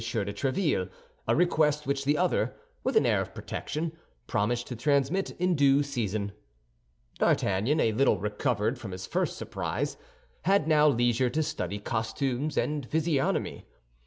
de Tréville—a request which the other, with an air of protection, promised to transmit in due season. D'Artagnan, a little recovered from his first surprise, had now leisure to study costumes and physiognomy.